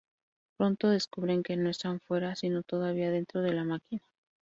Pronto descubren que no están fuera, sino todavía dentro de la máquina.